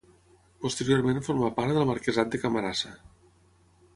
Posteriorment formà part del marquesat de Camarasa.